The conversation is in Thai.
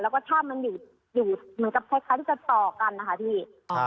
แล้วก็ถ้ำมันอยู่เหมือนกับคล้ายที่จะต่อกันนะคะพี่